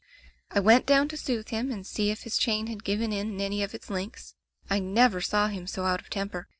"I went down to soothe him and see if his chain had given in any of its links. I never saw him so out of temper.